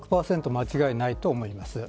間違いないと思います。